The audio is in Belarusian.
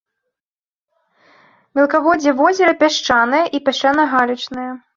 Мелкаводдзе возера пясчанае і пясчана-галечнае.